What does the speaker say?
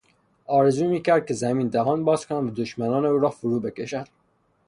آرزو میکرد که زمین دهان باز کند و دشمنان او را فروبکشد.